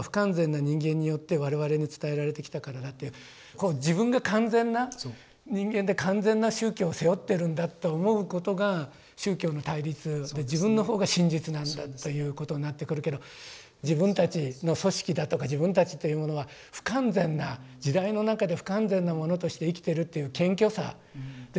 それは自分が完全な人間で完全な宗教を背負ってるんだと思うことが宗教の対立で自分の方が真実なんだということになってくるけど自分たちの組織だとか自分たちというものは不完全な時代の中で不完全なものとして生きてるという謙虚さですよね。